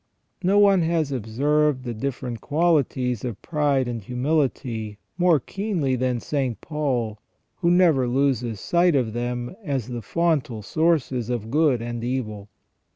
No one has observed the different qualities of pride and humility more keenly than St. Paul, who never loses sight of them as the fontal sources of good and evil.